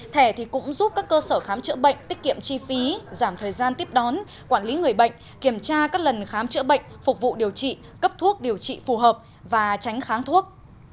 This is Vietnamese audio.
thẻ cũng giúp các cơ sở khám chữa bệnh tiết kiệm chi phí giảm thời gian tiếp đón quản lý người bệnh kiểm tra các lần khám chữa bệnh phục vụ điều trị cấp thuốc điều trị phù hợp và tránh kháng thuốc